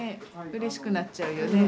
うれしくなっちゃうよね。